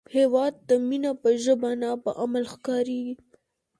هیواد ته مینه په ژبه نه، په عمل ښکارېږي